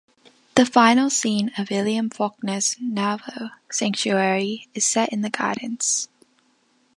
The final scene of William Faulkner's novel "Sanctuary" is set in the gardens.